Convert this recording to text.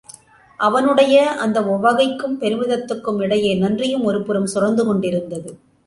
அவனுடைய அந்த உவகைக்கும் பெருமிதத்துக்குமிடையே நன்றியும் ஒருபுறம் சுரந்து கொண்டிருந்தது.